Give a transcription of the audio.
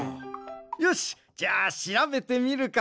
よしじゃあしらべてみるか！